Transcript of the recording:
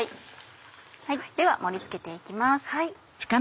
では盛り付けて行きます。